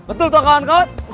betul toh kawan kawan